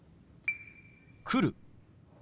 「来る」。